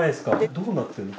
どうなってるの？